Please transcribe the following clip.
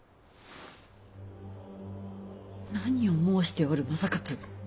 何を申しておる正勝！